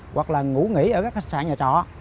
hoặc là ngủ nghỉ ở các khách sạn nhà trọ